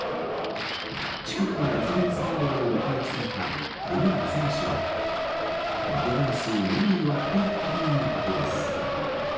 近くのガソリンスタンドでも目撃されたこのアザラシは、窓ガラスを２枚割っていったということです。